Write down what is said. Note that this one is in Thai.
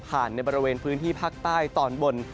ในบริเวณพื้นที่ภาคใต้ตอนบน